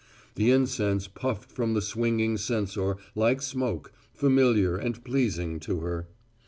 The incense puffed from the swinging censer, like smoke, familiar and pleasing to her.